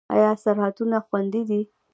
آیا سرحدونه خوندي دي؟